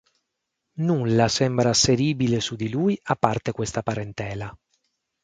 Nulla sembra asseribile su di lui a parte questa parentela.